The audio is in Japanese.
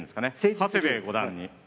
長谷部五段に。